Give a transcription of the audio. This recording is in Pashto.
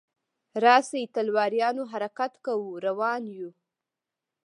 راشئ تلواریانو حرکت کوو روان یو.